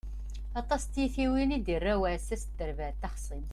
Aṭas n tyitwin i d-irra uɛessas n terbaɛt taxṣimt.